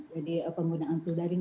jadi penggunaan tool daring